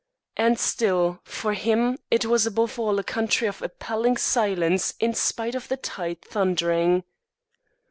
And still, for him, it was above all a country of appalling silence in spite of the tide thundering.